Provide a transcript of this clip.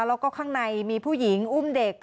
แล้วก็ข้างในมีผู้หญิงอุ้มเด็ก